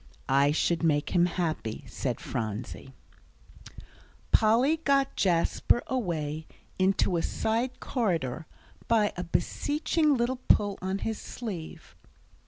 XX "I SHOULD MAKE HIM HAPPY," SAID PHRONSIE Polly got Jasper away into a side corridor by a beseeching little pull on his sleeve.